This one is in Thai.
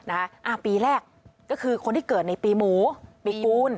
อ่าปีแรกก็คือคนที่เกิดในปีหมูปีกูล